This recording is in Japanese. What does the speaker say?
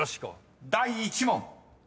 ［第１問］